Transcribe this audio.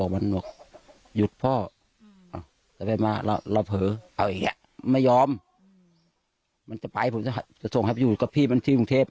มันจะไปผมจะส่งให้ไปอยู่กับพี่มันที่กรุงเทพ